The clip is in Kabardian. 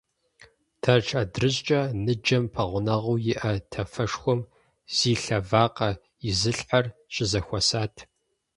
Тэрч адрыщӀкӀэ ныджэм пэгъунэгъуу иӀэ тафэшхуэм зи лъэ вакъэ изылъхьэр щызэхуэсат.